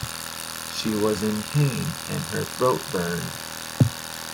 She was in pain, and her throat burned.